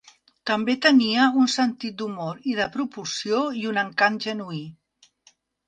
També tenia un sentit d'humor i de proporció, i un encant genuí.